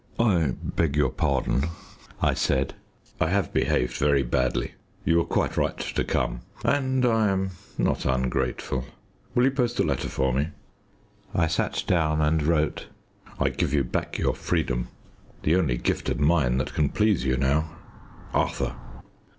"I beg your pardon," I said. "I have behaved very badly. You were quite right to come, and I am not ungrateful. Will you post a letter for me?" I sat down and wrote "I give you back your freedom. The only gift of mine that can please you now. "ARTHUR."